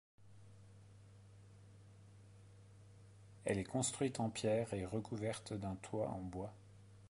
Elle est construite en pierres et recouverte d'un toit en bois.